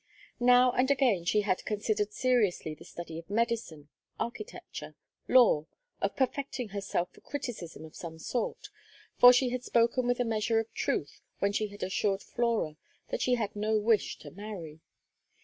Now and again she had considered seriously the study of medicine, architecture, law, of perfecting herself for criticism of some sort, for she had spoken with a measure of truth when she had assured Flora that she had no wish to marry.